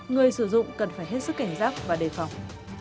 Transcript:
người sử dụng cần phải hết sức cảnh giác và đề phòng